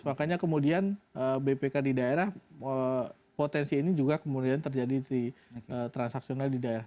makanya kemudian bpk di daerah potensi ini juga kemudian terjadi di transaksional di daerah